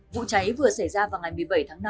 vụ cháy vừa xảy ra vào ngày một mươi bảy tháng năm